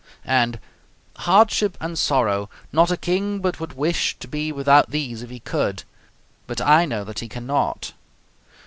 and "Hardship and sorrow! Not a king but would wish to be without these if he could. But I know that he cannot."